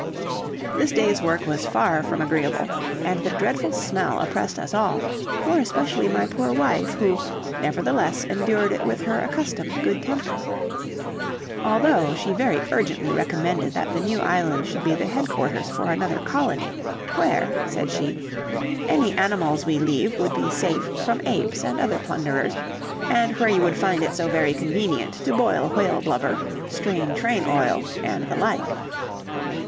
This day's work was far from agreeable, and the dreadful smell oppressed us all, more especially my poor wife, who, nevertheless, endured it with her accustomed good temper. Although she very urgently recommended that the new island should be the headquarters for another colony, where, said she, "any animals we leave would be safe from apes and other plunderers, and where you would find it so very convenient to boil whale blubber, strain train oil, and the like."